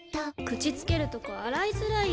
口つけるとこ洗いづらい！